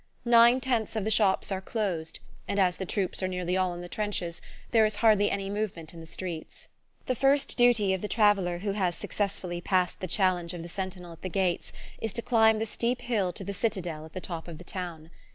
Nine tenths of the shops are closed, and as the troops are nearly all in the trenches there is hardly any movement in the streets. The first duty of the traveller who has successfully passed the challenge of the sentinel at the gates is to climb the steep hill to the citadel at the top of the town.